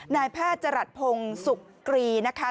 นายแพทย์จรัสพงศ์สุกรีนะคะ